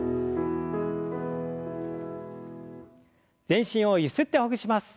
全身をゆすってほぐします。